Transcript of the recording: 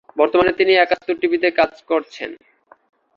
বর্তমানে তিনি একাত্তর টিভিতে কাজ করছেন।